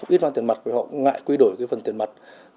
ít mang tiền mặt và họ ngại quy đổi phần tiền mặt